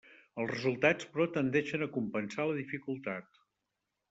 Els resultats, però, tendeixen a compensar la dificultat.